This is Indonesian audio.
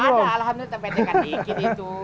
ada alhamdulillah pendekan dikit itu